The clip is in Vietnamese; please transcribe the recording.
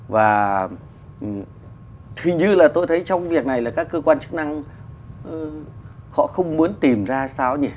và thì như là tôi thấy trong việc này là các cơ quan chức năng họ không muốn tìm ra sao nhỉ